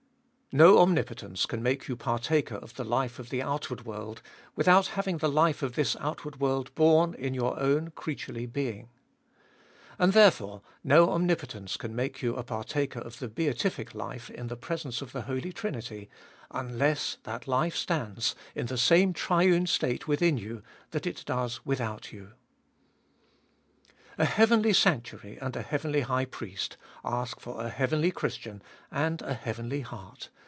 2. "No omnipotence can make you partaker of the life of the outward world without having the life of this outward world born in your own creaturely being. And therefore no omnipotence can make you a partaker of the beatific life in presence of the Holy Trinity, unless that life stands in the same triune state within you that it does without you." 3. A heavenly sanctuary and a heavenly High Priest ash for a heavenly Christian and a heavenly heart.